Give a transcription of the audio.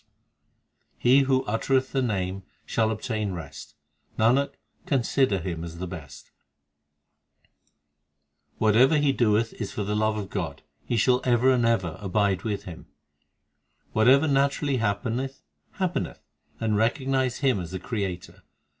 SIKH. Ill R 242 THE SIKH RELIGION He who uttereth the Name shall obtain rest ; Nanak, consider him as the best : 8 Whatever he doeth is for the love of God ; He shall ever and ever abide with Him Whatever naturally happeneth, happeneth And recognize Him as the Creator.